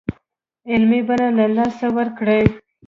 علمي بڼه له لاسه ورکړې.